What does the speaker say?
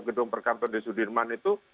gedung perkantor di sudirman itu